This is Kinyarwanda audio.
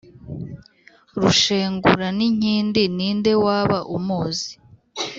Rushenguraninkindi ninde waba umuzi